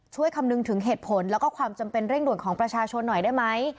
คำนึงถึงเหตุผลแล้วก็ความจำเป็นเร่งด่วนของประชาชนหน่อยได้ไหม